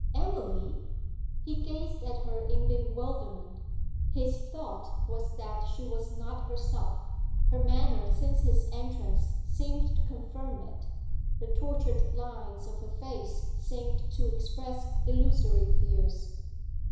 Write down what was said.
'Emily!' He gazed at her in bewilderment. His thought was that she was not herself; her manner since his entrance seemed to confirm it; the tortured lines of her face seemed to express illusory fears.